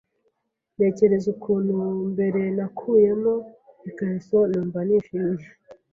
ntekereza ukuntu mbere nakuyemo ikariso numva nishimye